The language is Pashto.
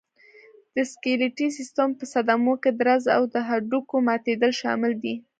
د سکلېټي سیستم په صدمو کې درز او د هډوکو ماتېدل شامل دي.